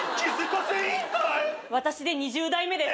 私で２０代目です。